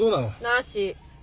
なし。